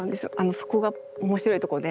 そこが面白いところで。